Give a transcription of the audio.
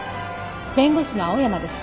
弁護士の青山です。